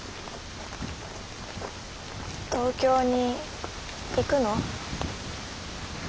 東京に行くの？